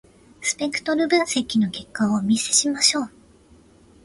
スペクトル分析の結果をお見せしましょう。